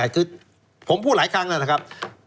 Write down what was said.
คือผมพูดหลายครั้งแล้วนะครับ